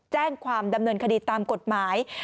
แจ้งความดำเนินคดีตามกฎหมาย